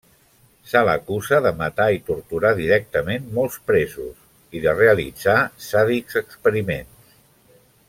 Se l'acusa de matar i torturar directament molts presos, i de realitzar sàdics experiments.